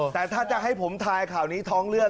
แต่ถ้าจะให้ผมทายข่าวนี้ท้องเลือด